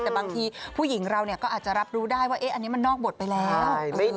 แต่บางทีผู้หญิงเราก็อาจจะรับรู้ได้ว่าอันนี้มันนอกบทไปแล้ว